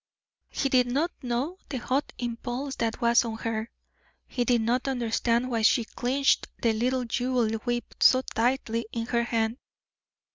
He did not know the hot impulse that was on her, he did not understand why she clinched the little jeweled whip so tightly in her hand.